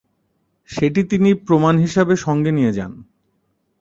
সেটি তিনি প্রমাণ হিসাবে সঙ্গে নিয়ে যান।